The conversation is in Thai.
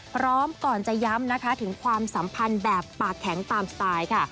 พร้อมก่อนจะย้ำนะคะถึงความสัมพันธ์แบบปากแข็งตามสไตล์ค่ะ